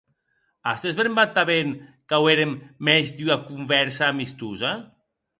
As desbrembat tanben qu’auérem mès d’ua convèrsa amistosa?